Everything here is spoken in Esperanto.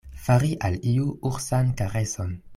Fari al iu ursan kareson.